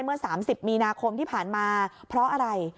เมื่อ๓๐มีนาคมที่ผ่านมาเพราะอะไร